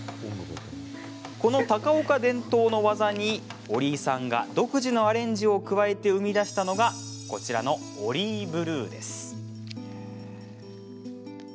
この高岡伝統の技に折井さんが独自のアレンジを加えて生み出したのがこちらのオリイブルーです。